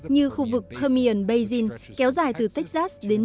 như khu vực permian basin kéo dài từ texas đến new york